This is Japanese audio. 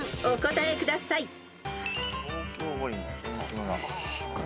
お答えください］